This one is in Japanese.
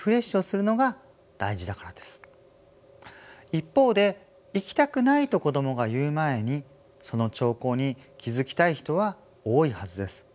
一方で「行きたくない」と子どもが言う前にその兆候に気付きたい人は多いはずです。